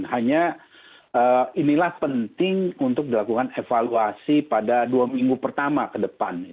hanya inilah penting untuk dilakukan evaluasi pada dua minggu pertama ke depan